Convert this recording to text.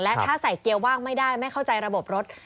และถ้าใส่เกียร์ว่างไม่ได้ไม่เข้าใจระบบรถ